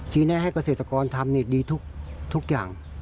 แนะให้เกษตรกรทำดีทุกอย่าง